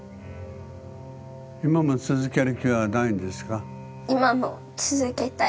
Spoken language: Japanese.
今も続ける気はないんですか？